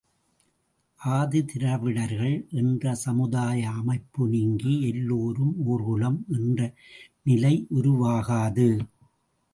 ஆதி திராவிடர்கள் என்ற சமுதாய அமைப்பு நீங்கி எல்லோரும் ஒர் குலம் என்ற நிலை உருவாகாது.